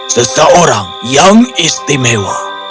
seseorang yang istimewa